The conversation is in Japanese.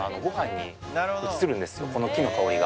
この木の香りが。